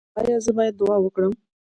ایا زه باید دعا وکړم؟